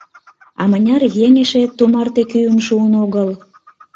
А мыняр еҥ эше тумарте кӱын шуын огыл?